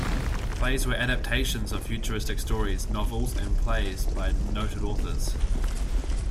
Plays were adaptations of futuristic stories, novels and plays by noted authors.